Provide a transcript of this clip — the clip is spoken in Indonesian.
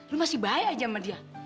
lo masih bahaya aja sama dia